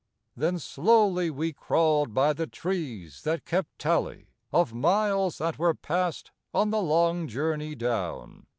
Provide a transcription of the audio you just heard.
Then slowly we crawled by the trees that kept tally Of miles that were passed on the long journey down.